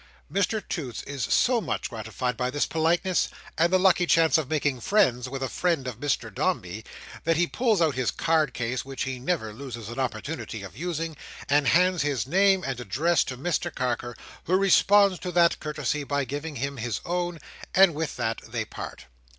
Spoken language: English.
Mr Toots is so much gratified by this politeness, and the lucky chance of making friends with a friend of Mr Dombey, that he pulls out his card case which he never loses an opportunity of using, and hands his name and address to Mr Carker: who responds to that courtesy by giving him his own, and with that they part.